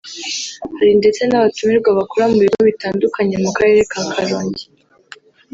hari ndetse n’abatumirwa bakora mu bigo bitandukanye mu karere ka Karongi